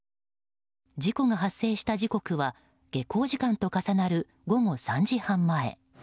事故が発生した時刻は下校時間と重なる午後３時半前。